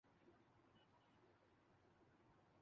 آج کی صورتحال دیکھیں۔